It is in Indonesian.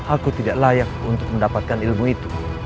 aku tidak layak untuk mendapatkan ilmu itu